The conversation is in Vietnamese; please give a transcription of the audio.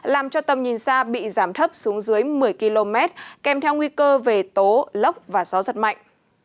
làm cho tầm nhìn xa bị giảm thấp xuống dưới một mươi km kèm theo nguy cơ về tố lốc và gió giật mạnh